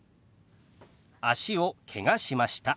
「脚をけがしました」。